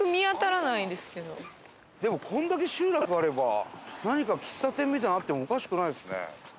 でもこれだけ集落あれば何か喫茶店みたいなのあってもおかしくないですね。